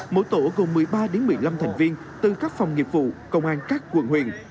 mỗi tổ gồm một mươi ba một mươi năm thành viên từ các phòng nghiệp vụ công an các quận huyện